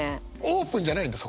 オープンじゃないんだ？